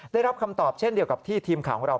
ได้รับคำตอบเช่นเดียวกับที่ทีมข่าวของเรา